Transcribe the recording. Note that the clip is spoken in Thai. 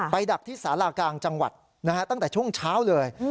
ดักที่สารากลางจังหวัดตั้งแต่ช่วงเช้าเลย